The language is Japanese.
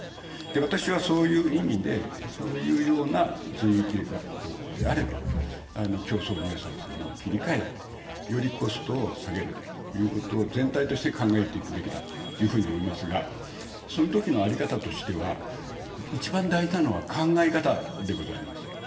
私はそういう意味で、そういうような随意契約であれば、競争入札に切り替えて、よりコストを下げるということを全体として考えていくべきだというふうに思いますが、そのときの在り方としては、一番大事なのは考え方でございます。